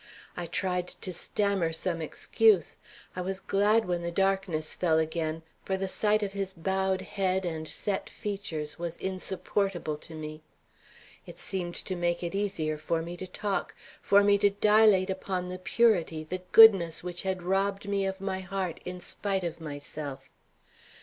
I tried to stammer some excuse. I was glad when the darkness fell again, for the sight of his bowed head and set features was insupportable to me. It seemed to make it easier for me to talk; for me to dilate upon the purity, the goodness which had robbed me of my heart in spite of myself.